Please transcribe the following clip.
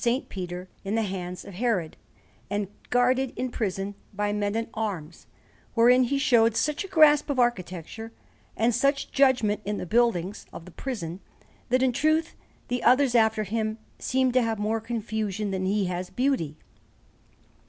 Peter in the hands of Herod, and guarded in prison by men at arms; wherein he showed such a grasp of architecture, and such judgment in the buildings of the prison, that in truth the others after him seem to have more confusion than he has beauty.